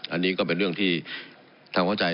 อันนี้ก็เป็นเรื่องที่ทำเข้าใจ